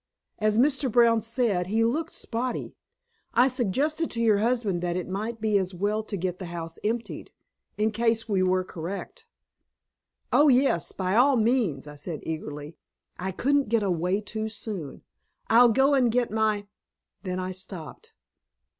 As Mr. Brown said, he looked spotty. I suggested to your husband that it might be as well to get the house emptied in case we are correct." "Oh, yes, by all means," I said eagerly. I couldn't get away too soon. "I'll go and get my " Then I stopped.